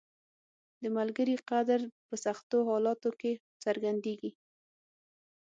• د ملګري قدر په سختو حالاتو کې څرګندیږي.